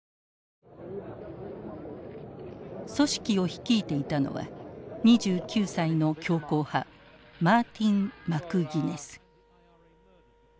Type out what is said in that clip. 組織を率いていたのは２９歳の強硬派マーティン・マクギネス。